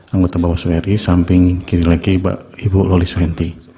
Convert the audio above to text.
anggota bawaslu ri samping kiri lagi ibu loli suhenti